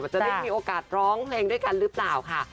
จะได้มีโอกาสร้องเพลงด้วยกันหรือเปล่าค่ะ